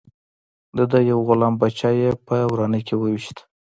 د ده یو غلام بچه یې په ورانه کې وويشت.